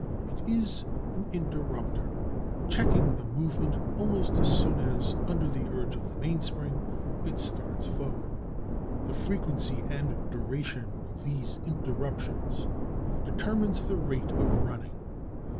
It is an interrupter, checking the movement almost as soon as, under the urge of the mainspring, it starts forward. The frequency and duration of these interruptions determines the rate of running.